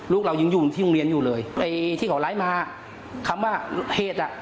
ลูกเรายังอยู่ที่โรงเรียนอยู่เลยไอ้ที่เขาไลฟ์มาคำว่าเหตุอ่ะ